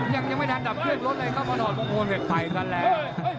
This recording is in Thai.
ยังไม่ทันดับเคลื่อนรถเลยเขาก็รอดโมงโมนเวทไฟกันแหละ